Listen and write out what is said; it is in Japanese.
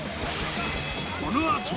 このあと。